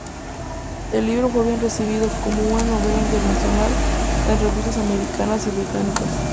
El libro fue bien recibido como una "novela internacional" en revistas americanas y británicas.